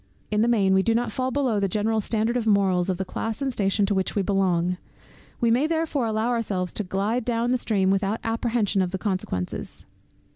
In the main we do not fall below the general standard of morals, of the class and station to which we belong, we may therefore allow ourselves to glide down the stream without apprehension of the consequences.